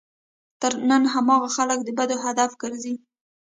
نن هماغه خلک د بدو هدف ګرځي.